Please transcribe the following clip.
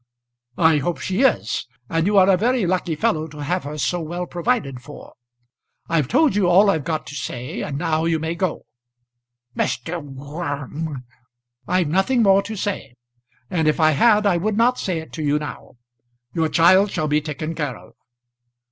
"I hope she is. And you are a very lucky fellow to have her so well provided for. I've told you all I've got to say, and now you may go." "Mr. Gorm!" "I've nothing more to say; and if I had, I would not say it to you now. Your child shall be taken care of."